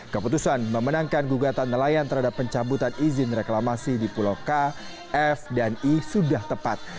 keputusan memenangkan gugatan nelayan terhadap pencabutan izin reklamasi di pulau k f dan i sudah tepat